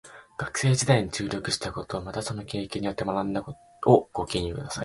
学生時代に注力したこと、またその経験によって学んだことをご記入ください。